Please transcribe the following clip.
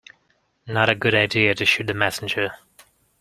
Not a good idea to shoot the messenger.